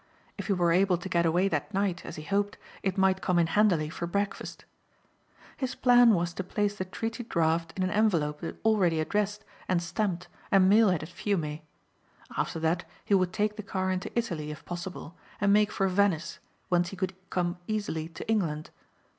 If he were able to get away that night, as he hoped, it might come in handily for breakfast. His plan was to place the treaty draft in an envelope already addressed and stamped and mail it at Fiume. After that he would take the car into Italy if possible and make for Venice whence he could come easily to England.